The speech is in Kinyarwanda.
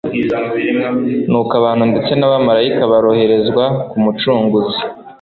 Nuko abantu ndetse n'abamalaika baroherezwa ku Mucunguzi.